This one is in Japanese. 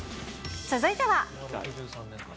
続いては。